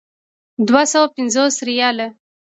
دوه سوه پنځوس ریاله.